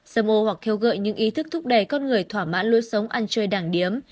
sơ mô hoặc kheo gợi những ý thức thúc đẩy con người thỏa mãn lối sống ăn chơi đàng điếm